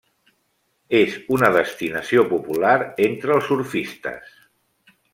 És una destinació popular entre els surfistes.